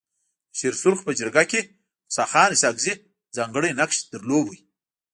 د شيرسرخ په جرګه کي موسي خان اسحق زي ځانګړی نقش درلود.